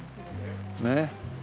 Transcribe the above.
ねえ。